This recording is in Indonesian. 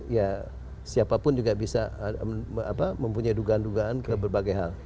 ya siapapun juga bisa mempunyai dugaan dugaan ke berbagai hal